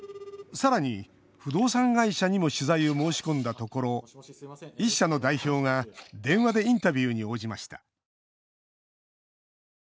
さらに不動産会社にも取材を申し込んだところ１社の代表が電話でインタビューに応じました。